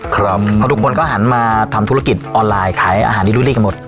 ครับพอดูคนก็หันมาทำธุรกิจออนไลน์ขายอาหารดีกันหมด